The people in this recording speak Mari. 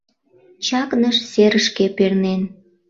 Чакныш, серышке пернен